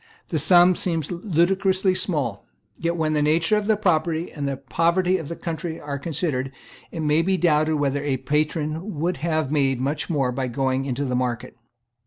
The sum seems ludicrously small. Yet, when the nature of the property and the poverty of the country are considered, it may be doubted whether a patron would have made much more by going into the market.